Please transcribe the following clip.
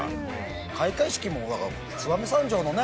開会式もだから燕三条のね。